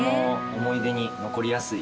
「思い出に残りやすい」？